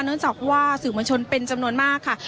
เนื่องจากว่าสื่อมวลชนเป็นจำนวนมากค่ะ